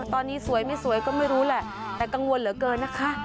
ตอนนี้สวยไม่สวยก็ไม่รู้แหละแต่กังวลเหลือเกินนะคะ